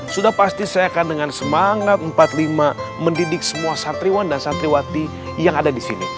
sudah pasti saya akan dengan semangat empat puluh lima mendidik semua santriwan dan santriwati yang ada di sini